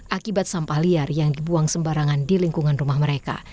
akibat sampah liar yang dibuang sembarangan di lingkungan rumah mereka